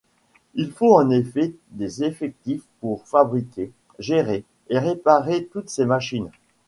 Il faut en effet des effectifs pour fabriquer, gérer et réparer toutes ces machines.